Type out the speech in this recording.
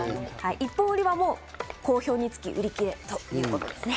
一本売りは好評につき売り切れということですね。